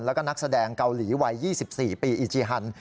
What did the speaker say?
แล้วก็นักแสดงเกาหลีวัย๒๔ปีอีจีฮัน